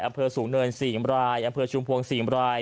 อำเภอสูงเนินสี่อำรายอำเภอชุมพวงสี่อำราย